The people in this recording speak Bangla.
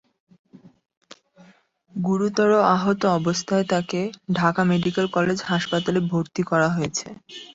গুরুতর আহত অবস্থায় তাঁকে ঢাকা মেডিকেল কলেজ হাসপাতালে ভর্তি করা হয়েছে।